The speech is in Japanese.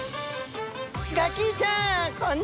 ガキィちゃん！